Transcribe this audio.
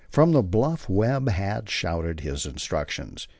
From the bluff Webb had shouted his instructions.